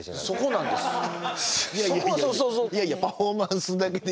そうなんですよ。